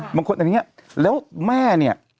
บางคนอันนี้แล้วแม่เนี่ย